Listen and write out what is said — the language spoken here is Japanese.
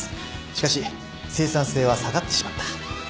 しかし生産性は下がってしまった。